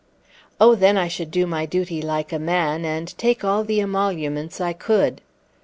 "Oh, then I should do my duty like a man and take all the emoluments I could."